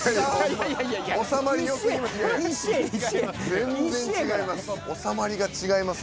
全然違います。